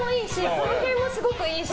この辺もすごくいいし。